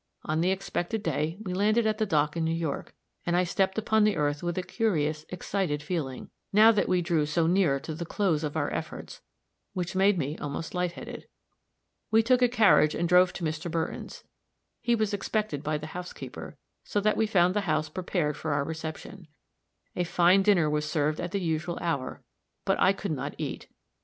On the expected day, we landed at the dock in New York, and I stepped upon the earth with a curious, excited feeling, now that we drew so near to the close of our efforts, which made me almost light headed. We took a carriage and drove to Mr. Burton's; he was expected by the housekeeper, so that we found the house prepared for our reception. A fine dinner was served at the usual hour but I could not eat.